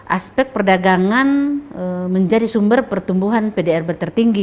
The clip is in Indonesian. aspek perdagangan menjadi sumber pertumbuhan pdr bertertinggi